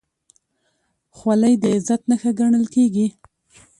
خولۍ د عزت نښه ګڼل کېږي.